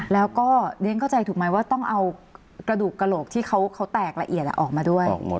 แล้วก็เรียนเข้าใจถูกไหมว่าต้องเอากระดูกกระโหลกที่เขาแตกละเอียดออกมาด้วย